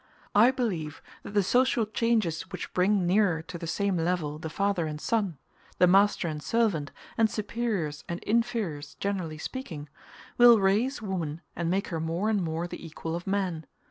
I believe that the social changes which bring nearer to the same level the father and son, the master and servant, and superiors and inferiors generally speaking, will raise woman and make her more and more the equal of man.